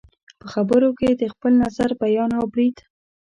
په خبرو کې د خپل نظر بیان او برید